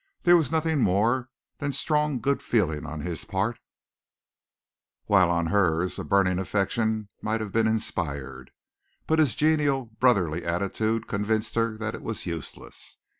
There was nothing more than strong good feeling on his part, while on hers a burning affection might have been inspired, but his genial, brotherly attitude convinced her that it was useless.